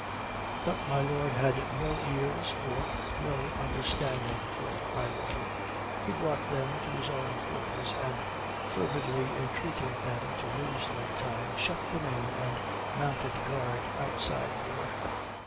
But my lord had no ears or no understanding for irony. He brought them to his own quarters and, fervidly entreating them to lose no time, shut them in and mounted guard outside the door.